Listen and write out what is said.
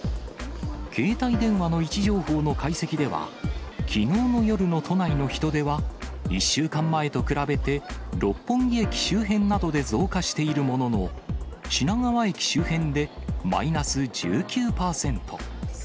携帯電話の位置情報の解析では、きのうの夜の都内の人出は、１週間前と比べて、六本木駅周辺などで増加しているものの、品川駅周辺でマイナス１９％。